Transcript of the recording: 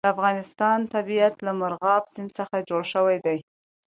د افغانستان طبیعت له مورغاب سیند څخه جوړ شوی دی.